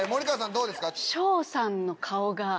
どうですか？